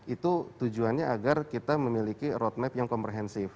itu tujuannya agar kita memiliki roadmap yang komprehensif